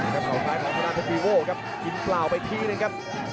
แล้วอภิวัตภรรคนาตริกิ้นปลาวไปทีหนึ่งครับ